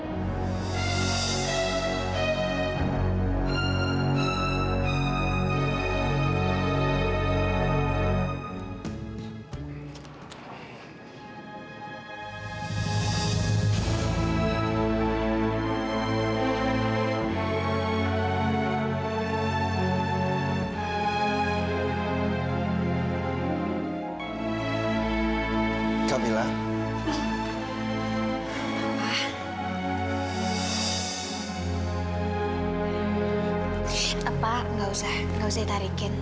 gak usah ditarikin